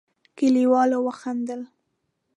کليوالو وخندل.